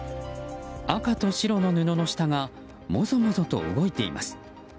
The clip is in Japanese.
赤と白の布の下がもぞもぞと動いています。